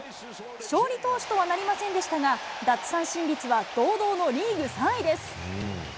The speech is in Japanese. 勝利投手とはなりませんでしたが、奪三振率は堂々のリーグ３位です。